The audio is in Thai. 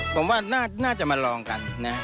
ผมว่าน่าจะมาลองกันนะฮะ